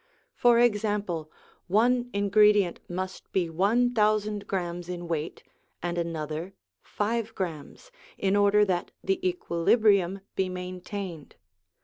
For example, one ingredient must be one thousand grammes in weight, and another five grammes, in order that the equilibrium be maintained.